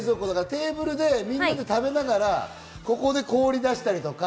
テーブルでみんなで食べながら、ここで氷出したりとか。